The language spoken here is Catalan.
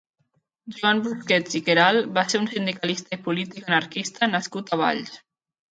Joan Busquets i Queralt va ser un sindicalista i polític anarquista nascut a Valls.